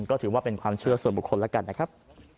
ก็ถือว่าเป็นความเชื่อส่วนบุคคลแล้วกันนะครับ